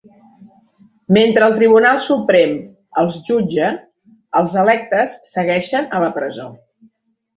Mentre el Tribunal Suprem els jutja, els electes segueixen a la presó.